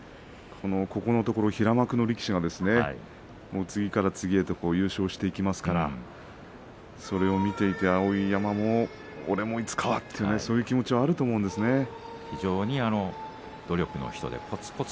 このところ平幕の力士が次から次へと優勝していきますからそれを見ていて、碧山も俺もいつかはという気持ちはこつこつ努力の人です。